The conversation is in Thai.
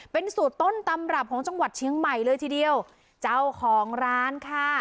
เป็นสูตรต้นตำรับของจังหวัดเชียงใหม่เลยทีเดียวเจ้าของร้านค่ะ